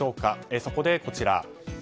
そこでこちら。